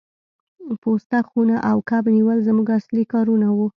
پوسته خونه او کب نیول زموږ اصلي کارونه وو